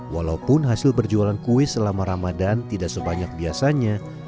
walaupun hasil berjualan kue selama ramadan tidak sebanyak biasanya